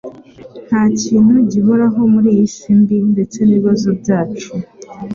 Nta kintu gihoraho muri iyi si mbi, ndetse n'ibibazo byacu.”